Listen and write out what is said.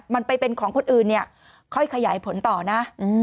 มันไปเป็นของคนอื่นเนี่ยค่อยขยายผลต่อนะ